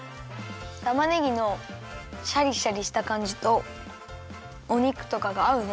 たまねぎのシャリシャリしたかんじとお肉とかがあうね。